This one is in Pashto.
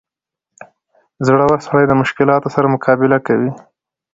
• زړور سړی د مشکلاتو سره مقابله کوي.